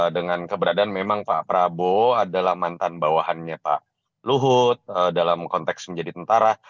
dengan keberadaan memang pak prabowo adalah mantan bawahannya pak luhut dalam konteks menjadi tentara